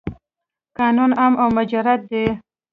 قانون عام او مجرد دی.